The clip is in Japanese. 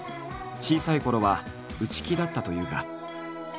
小さいころは内気だったというが。